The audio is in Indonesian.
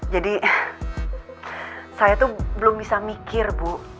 jadi saya tuh belum bisa mikir bu